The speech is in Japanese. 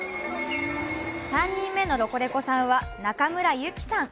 ３人目のロコレコさんは中村友紀さん。